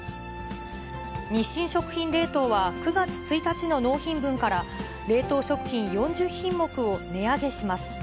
日清食品冷凍は、９月１日の納品分から、冷凍食品４０品目を値上げします。